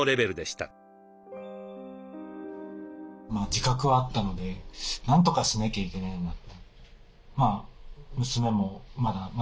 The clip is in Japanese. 自覚はあったのでなんとかしなきゃいけないなと。